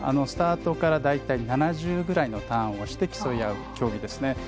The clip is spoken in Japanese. スタートから大体７０ぐらいのターンをして、競い合う競技です。